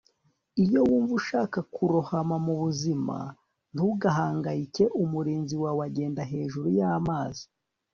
iyo wumva ushaka kurohama mu buzima, ntugahangayike - umurinzi wawe agenda hejuru y'amazi